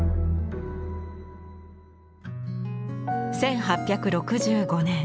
１８６５年。